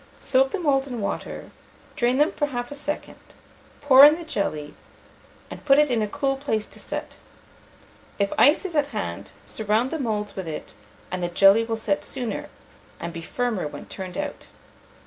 Soak the moulds in water, drain them for half a second, pour in the jelly, and put it in a cool place to set. If ice is at hand, surround the moulds with it, and the jelly will set sooner, and be firmer when turned out.